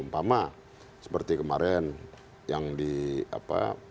umpama seperti kemarin yang di apa